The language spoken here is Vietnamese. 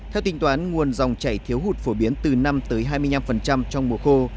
theo tính toán nguồn dòng chảy thiếu hụt phổ biến từ năm hai mươi năm trong mùa khô